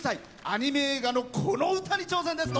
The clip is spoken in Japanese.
アニメ映画のこの歌に挑戦です。